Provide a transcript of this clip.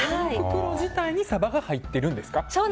袋の中にサバが入ってるんですか？